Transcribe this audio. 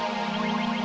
sampai jumpa lagi